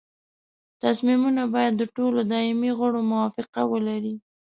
تصمیمونه باید د ټولو دایمي غړو موافقه ولري.